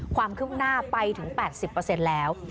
ความคืบหน้าไปถึง๘๐แล้ว